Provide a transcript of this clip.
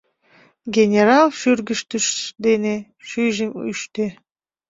Генерал шӱргӱштыш дене шӱйжым ӱштӧ.